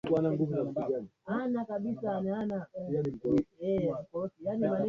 Hivyo wanahama sehemu moja hadi nyingine ndani msimu mmoja